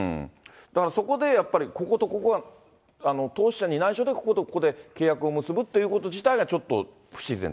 だからそこでやっぱりこことここは、投資者に内緒で、こことここで契約を結ぶっていうこと自体がちょっと不自然と。